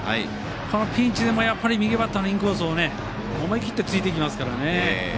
このピンチでも右バッターのインコースを思い切ってついてきますからね。